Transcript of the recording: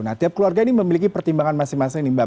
nah tiap keluarga ini memiliki pertimbangan masing masing nih mbak